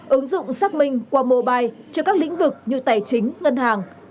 ứng dụng xác minh qua mobile cho các lĩnh vực như tài chính ngân hàng